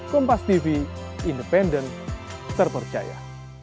kompas tv independen terpercaya